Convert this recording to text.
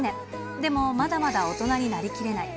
でもまだまだ大人になりきれない。